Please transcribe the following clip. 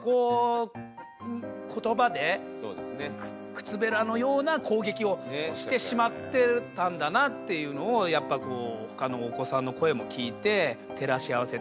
靴べらのような攻撃をしてしまってたんだなっていうのをやっぱこう他のお子さんの声も聴いて照らし合わせてちょっと反省してますね。